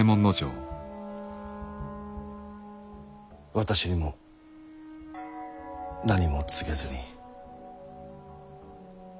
私にも何も告げずに。